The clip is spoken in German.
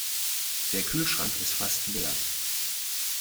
Der Kühlschrank ist fast leer.